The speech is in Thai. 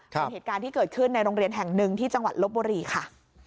เป็นเหตุการณ์ที่เกิดขึ้นในโรงเรียนแห่งหนึ่งที่จังหวัดลบบุรีค่ะ